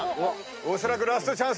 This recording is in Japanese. おそらくラストチャンス。